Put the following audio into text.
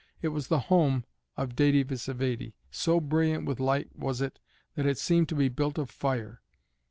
It was the home of Dède Vsévède. So brilliant with light was it that it seemed to be built of fire.